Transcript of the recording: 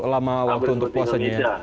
lama waktu untuk puasanya